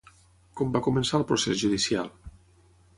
Com va començar el procés judicial?